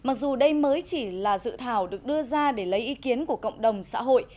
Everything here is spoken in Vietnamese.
mặc dù đây mới chỉ là dự thảo được đưa ra để lấy ý kiến của cộng đồng xã hội